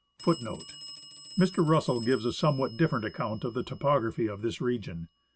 ^ Our camp stands ^ Mr. Russell gives a somewhat different account of the topography of this region.